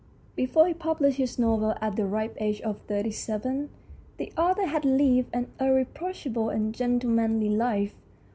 Before he published his novel at the ripe age of thirty seven the author had lived an irreproachable and gentlemanly life.